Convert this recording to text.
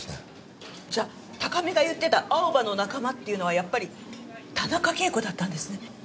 じゃあ高見が言ってたアオバの仲間っていうのはやっぱり田中啓子だったんですね。